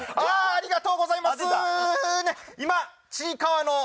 ありがとうございます。